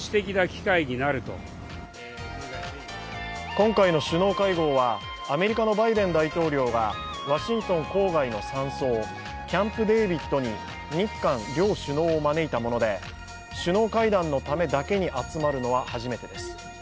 今回の首脳会合はアメリカのバイデン大統領がワシントン郊外の山荘、キャンプ・デービッドに日韓両首脳を招いたもので、首脳会談のためだけに集まるのは初めてです。